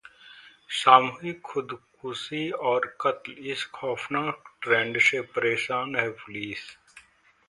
सामूहिक खुदकुशी और कत्ल, इस खौफनाक ट्रेंड से परेशान है पुलिस